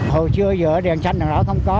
hồi trước dựa đèn xanh đèn đỏ không có